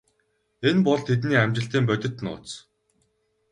Энэ бол тэдний амжилтын бодит нууц.